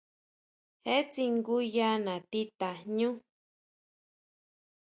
Jee tsinguya natí tajñú.